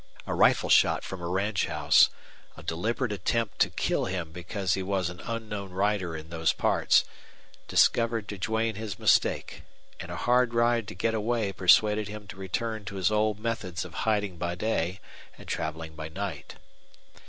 A rifle shot from a ranch house, a deliberate attempt to kill him because he was an unknown rider in those parts, discovered to Duane his mistake; and a hard ride to get away persuaded him to return to his old methods of hiding by day and traveling by night.